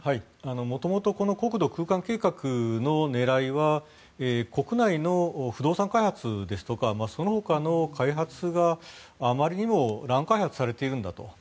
元々この国土空間計画の狙いは国内の不動産開発ですとかそのほかの開発があまりにも乱開発されているんだと。